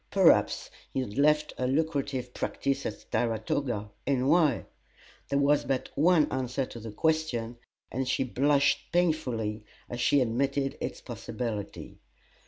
Perhaps he had left a lucrative practice at Saratoga and why? There was but one answer to the question, and she blushed painfully as she admitted its possibility.